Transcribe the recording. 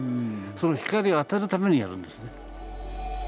その光を当てるためにやるんですね。